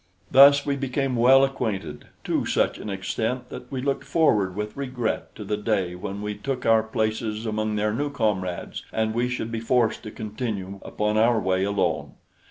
Thus we became well acquainted to such an extent that we looked forward with regret to the day when they took their places among their new comrades and we should be forced to continue upon our way alone.